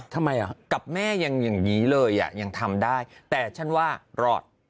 ทำไมอ่ะกับแม่ยังอย่างนี้เลยอ่ะยังทำได้แต่ฉันว่ารอด